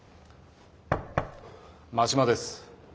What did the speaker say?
真島です。